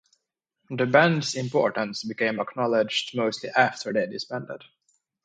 The band's importance became acknowledged mostly after they disbanded.